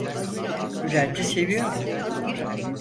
Bülent'i seviyorum…